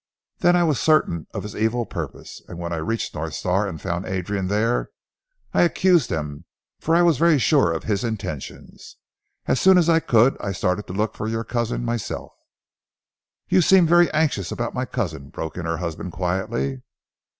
Then I was certain of his evil purpose, and when I reached North Star and found Adrian there, I accused him, for I was very sure of his intentions. As soon as I could I started to look for your cousin myself " "You seem very anxious about my cousin," broke in her husband quietly.